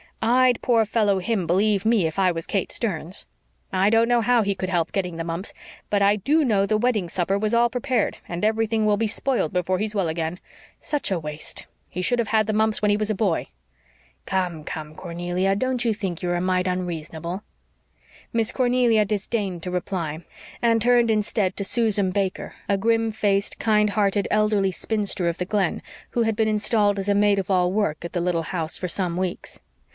"I'd poor fellow him, believe ME, if I was Kate Sterns. I don't know how he could help getting the mumps, but I DO know the wedding supper was all prepared and everything will be spoiled before he's well again. Such a waste! He should have had the mumps when he was a boy." "Come, come, Cornelia, don't you think you're a mite unreasonable?" Miss Cornelia disdained to reply and turned instead to Susan Baker, a grim faced, kind hearted elderly spinster of the Glen, who had been installed as maid of all work at the little house for some weeks.